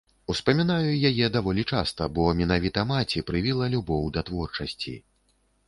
Успамінаю яе даволі часта, бо менавіта маці прывіла любоў да творчасці.